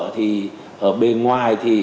thì ở bên ngoài thì